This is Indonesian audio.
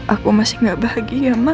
aku masih gak bahagia ma